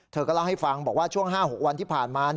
เธอก็เล่าให้ฟังบอกว่าช่วง๕๖วันที่ผ่านมา